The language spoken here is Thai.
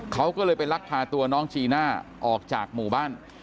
เขาก็เลยไปลักพาตัวน้องจีน่าออกจากหมู่บ้าน